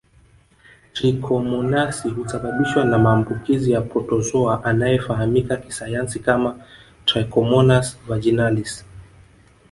Trikomonasi husababishwa na maambukizi ya protozoa anayefahamika kisayansi kama trichomonas vaginalis